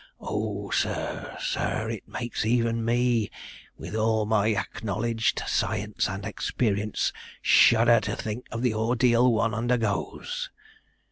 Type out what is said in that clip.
Oh, sir, sir, it makes even me, with all my acknowledged science and experience, shudder to think of the ordeal one undergoes!'